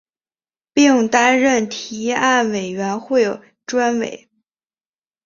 并担任提案委员会专委。